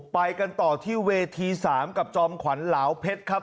ไปกันต่อที่เวที๓กับจอมขวัญเหลาเพชรครับ